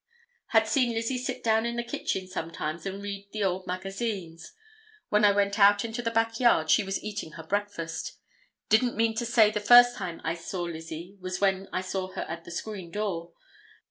Had seen Lizzie sit down in the kitchen sometimes and read the old magazines. When I went out into the back yard she was eating her breakfast. Didn't mean to say the first time I saw Lizzie was when I saw her at the screen door.